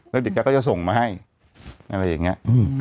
แล้วเดี๋ยวแกก็จะส่งมาให้อะไรอย่างนี้